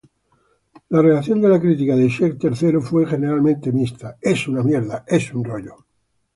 La reacción de la crítica de "Shrek Tercero" fue generalmente mixta.